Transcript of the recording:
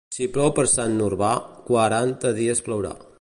Si plou per Sant Urbà, quaranta dies plourà.